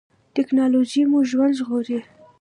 ټیکنالوژي مو ژوند ژغوري